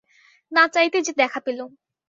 না চাইতেই যে দেখা পেলুম।